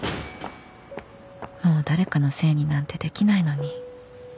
もう誰かのせいになんてできないのに